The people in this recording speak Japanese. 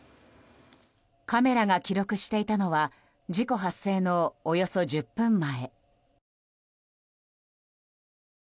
カメラが記録していたのは事故発生のおよそ１０分前。